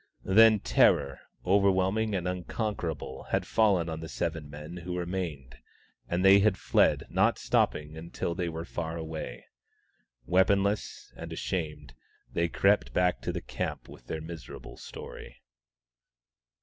Then terror, overwhelming and unconquerable, had fallen on the seven men who remained, and they had fled, never stopping until they were far away. Weaponless and ashamed, they crept back to the camp with their miserable story.